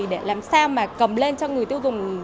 để làm sao mà cầm lên cho người tiêu dùng